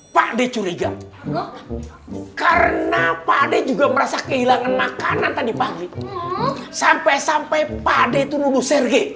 pakde curiga karena pakde juga merasa kehilangan makanan tadi panggung sampai sampai pade itu lulus